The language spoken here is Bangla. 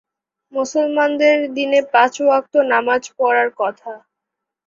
মুসলমানদের দিনে পাঁচ ওয়াক্ত নামাজ পড়ার কথা।